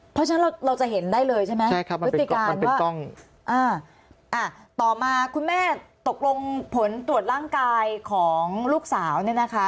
เพราะฉะนั้นเราจะเห็นได้เลยใช่ไหมพฤติการว่าต่อมาคุณแม่ตกลงผลตรวจร่างกายของลูกสาวเนี่ยนะคะ